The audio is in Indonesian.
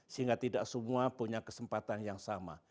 sehingga tidak semua punya kesempatan yang sama